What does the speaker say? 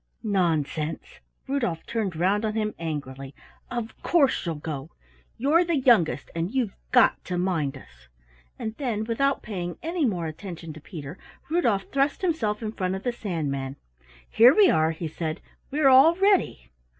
"Nonsense!" Rudolf turned round on him angrily. "Of course you'll go. You're the youngest, and you've got to mind us." And then without paying any more attention to Peter, Rudolf thrust himself in front of the Sandman. "Here we are," he said. "We're all ready."